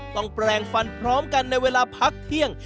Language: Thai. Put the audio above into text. แปลงฟันพร้อมกันในเวลาพักเที่ยง